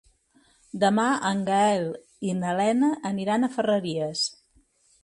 Demà en Gaël i na Lena aniran a Ferreries.